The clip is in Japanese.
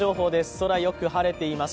空、よく晴れています。